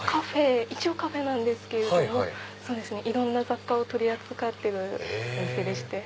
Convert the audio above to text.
一応カフェなんですけれどもいろんな雑貨を取り扱ってるお店でして。